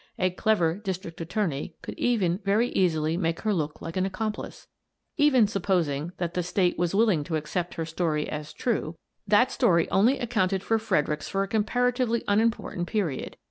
A clever district attorney could even very easily make her look like an accomplice! Even suppos ing that the State was willing to accept her story as true, that story only accounted for Fredericks 220 Miss Frances Baird, Detective for a comparatively unimportant period.